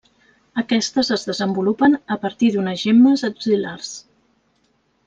Aquestes es desenvolupen a partir d'unes gemmes axil·lars.